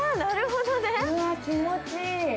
わー気持ちいい。